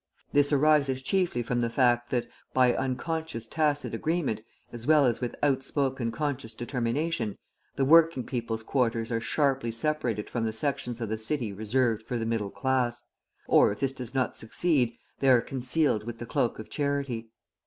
This arises chiefly from the fact, that by unconscious tacit agreement, as well as with outspoken conscious determination, the working people's quarters are sharply separated from the sections of the city reserved for the middle class; or, if this does not succeed, they are concealed with the cloak of charity.